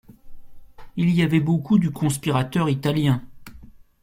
Il y avait beaucoup du conspirateur italien.